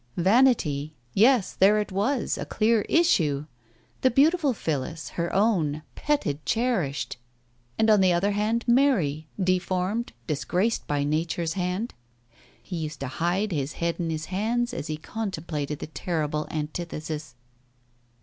..." Vanity ! Yes. There it was, a clear issue. The beautiful Phillis, her own ... petted, cherished !... And on the other hand Mary, deformed, disgraced by Nature's hand. ... He used to hide his head in his hands as he contemplated the terrible antithesis.